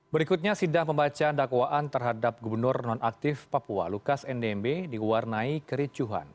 berikutnya sidang pembacaan dakwaan terhadap gubernur nonaktif papua lukas ndmb diwarnai kericuhan